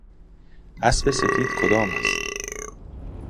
اسب سفید کدام است؟